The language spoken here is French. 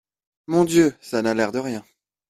Mon Dieu, ça n’a l’air de rien…